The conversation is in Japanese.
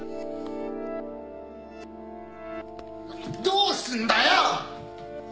・どうすんだよ！